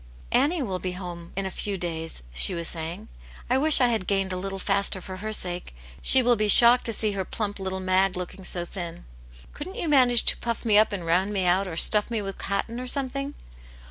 " Annie will be at home in a few days," she was saying. " I wish I had gained a little faster for her sake. She will be shocked to see her plump little Mag looking so thin. Couldn't you manage to pufF me up and round me out, or stuff me with cotton, or something?"